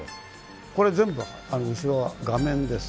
これ全部後ろは画面です。